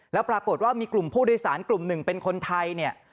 แล้วปรากฏว่ามีกลุ่มผู้โดยสารกลุ่มหนึ่งเป็นคนไทยเนี่ย